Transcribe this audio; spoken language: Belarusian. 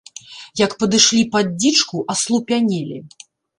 Як падышлі пад дзічку, аслупянелі.